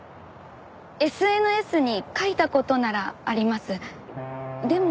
ＳＮＳに書いた事ならあります。